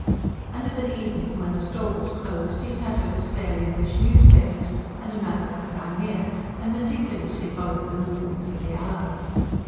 And of an evening, when the store was closed, he sat over stale English newspapers and a map of the Crimea, and meticulously followed the movements of the Allies.